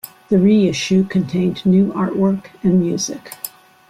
The reissue contained new artwork and music.